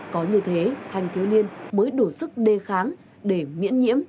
có như thế thanh thiếu niên mới đủ sức đề kháng để miễn nhiễm